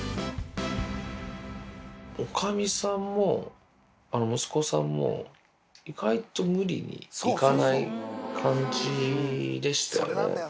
おかみさんも、息子さんも、意外と無理に行かない感じでしたよね。